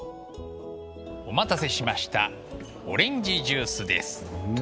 お待たせしましたオレンジジュースです。